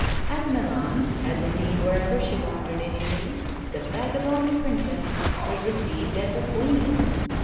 At Milan, as indeed wherever she wandered in Italy, the "vagabond Princess" was received as a Queen.